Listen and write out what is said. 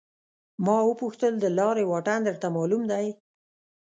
ما وپوښتل د لارې واټن درته معلوم دی.